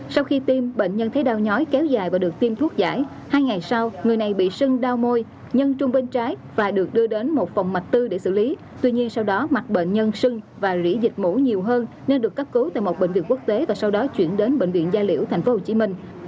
sau khi tiêm bệnh nhân thấy đau nhói kéo dài và được tiêm thuốc giải hai ngày sau người này bị sưng đau môi nhân chung bên trái và được đưa đến một phòng mạch tư để xử lý tuy nhiên sau đó mạch bệnh nhân sưng và lũy dịch mũ nhiều hơn nên được cấp cứu tại một bệnh viện quốc tế và sau đó chuyển đến bệnh viện gia liễu tp hcm